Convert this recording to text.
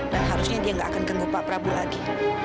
dan harusnya dia nggak akan genggul pak prabu lagi